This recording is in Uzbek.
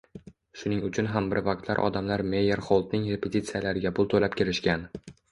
Shuning uchun ham bir vaqtlar odamlar Meyerxoldning repetitsiyalariga pul to‘lab kirishgan.